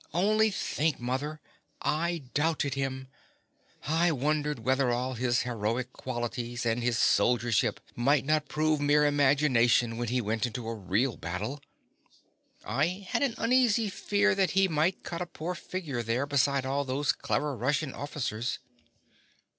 _) Only think, mother, I doubted him: I wondered whether all his heroic qualities and his soldiership might not prove mere imagination when he went into a real battle. I had an uneasy fear that he might cut a poor figure there beside all those clever Russian officers.